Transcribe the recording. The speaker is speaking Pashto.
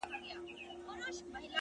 • د پيشو په مخكي زوره ور نه پردى سي,